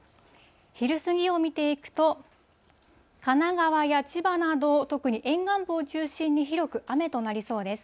昼過ぎを見ていくと、神奈川や千葉など特に沿岸部を中心に広く雨となりそうです。